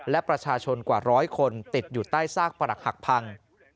และประชาชนกว่าร้อยคนติดอยู่ใต้ซากปรักหักพัง